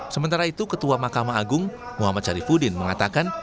sementara itu ketua mahkamah agung muhammad syarifudin mengatakan